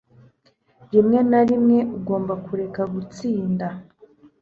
Rimwe na rimwe, ugomba kureka gutsinda.